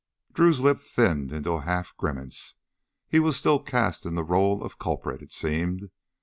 Drew's lips thinned into a half grimace. He was still cast in the role of culprit, it seemed.